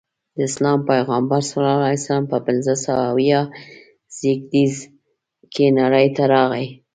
د اسلام پیغمبر ص په پنځه سوه اویا زیږدیز کې نړۍ ته راغی.